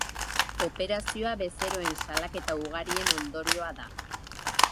Operazioa bezeroen salaketa ugarien ondorioa da.